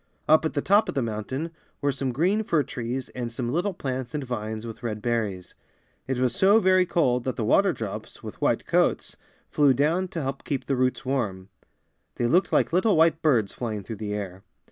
Up at the top of the mountain were some green fir trees and some little plants and vines with red berries. It was so very cold that the water drops, with white coats, flew down to help keep the roots warm. They looked like little white birds flying through the air.